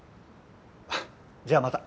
じゃあまた。